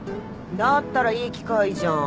だったらいい機会じゃん